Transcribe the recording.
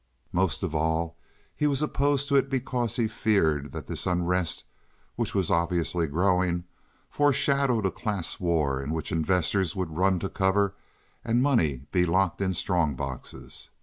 Most of all was he opposed to it because he feared that this unrest, which was obviously growing, foreshadowed a class war in which investors would run to cover and money be locked in strong boxes.